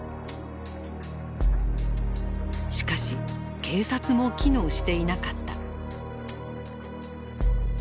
しかし警察も機能していなかった。